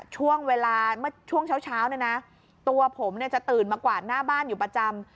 ช่วงเวลาเมื่อช่วงเช้าเนี่ยนะตัวผมจะตื่นมากวาดหน้าบ้านอยู่ประจำ